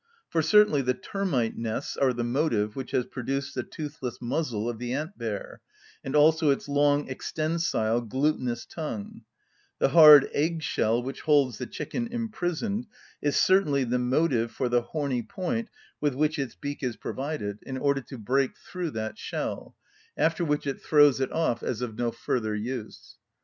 For certainly the termite nests are the motive which has produced the toothless muzzle of the ant‐bear, and also its long extensile, glutinous tongue: the hard egg‐shell which holds the chicken imprisoned is certainly the motive for the horny point with which its beak is provided in order to break through that shell, after which it throws it off as of no further use.